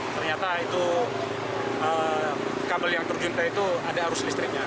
ternyata itu kabel yang terjun ke itu ada arus listriknya